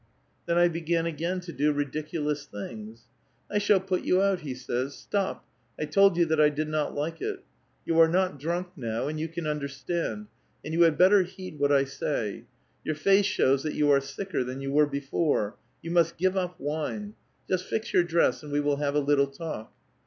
^ neu I began again to do ridiculous things. ' I shall put y^u out,' he says ;' stop, I told you that I did not like it. ^ ^u are not drunk now, and you can understand ; and you "5^d better heed what I say ; 3'our face shows that you are Bicker than you were before ; you must give up wine ; just "^ your dress and we will have a little talk.'